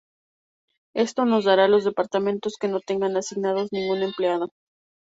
Esto nos dará los departamentos que no tengan asignados ningún empleado.